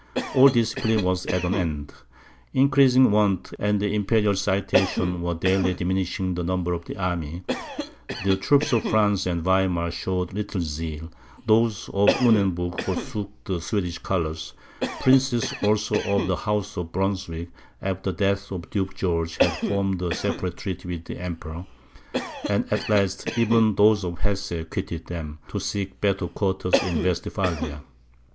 All discipline was at an end, increasing want, and the imperial citations were daily diminishing the number of the army; the troops of France and Weimar showed little zeal; those of Lunenburg forsook the Swedish colours; the Princes also of the House of Brunswick, after the death of Duke George, had formed a separate treaty with the Emperor; and at last even those of Hesse quitted them, to seek better quarters in Westphalia.